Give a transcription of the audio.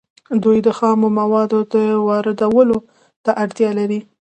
دوی د خامو موادو واردولو ته اړتیا لري